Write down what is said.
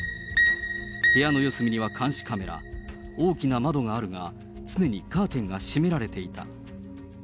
部屋の四隅には監視カメラ、大きな窓があるが、常にカーテンが閉められていた。